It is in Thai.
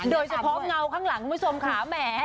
โดยเฉพาะเงาข้างหลังไม่สมขาวแหม